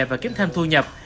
và kiếm thêm thu nhập